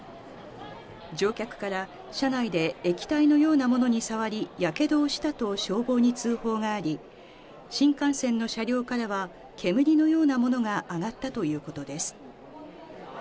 乗客から、車内で液体のようなものに触り、やけどをしたと消防に通報があり、新幹線の車両からは、煙のようなものが上がったということです。